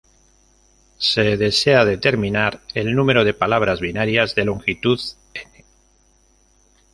Se desea determinar el número de palabras binarias de longitud "n".